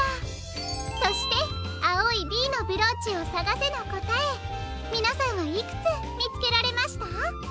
そして「あおい『Ｂ』のブローチをさがせ！」のこたえみなさんはいくつみつけられました？